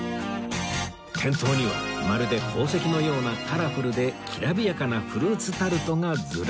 店頭にはまるで宝石のようなカラフルできらびやかなフルーツタルトがずらり